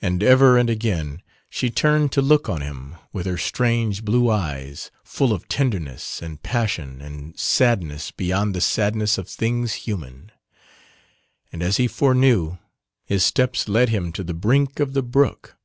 And ever and again she turned to look on him with her strange blue eyes full of tenderness and passion and sadness beyond the sadness of things human and as he foreknew his steps led him to the brink of the brook.